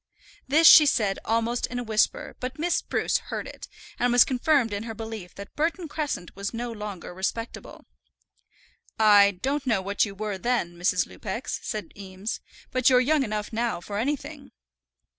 This she said almost in a whisper; but Miss Spruce heard it, and was confirmed in her belief that Burton Crescent was no longer respectable. "I don't know what you were then, Mrs. Lupex," said Eames; "but you're young enough now for anything."